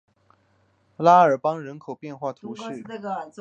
拉尔邦人口变化图示